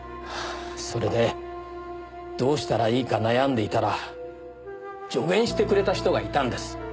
それでどうしたらいいか悩んでいたら助言してくれた人がいたんです。